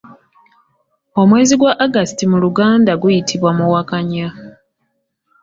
Omwezi gwa August mu luganda guyitibwa Muwakanya.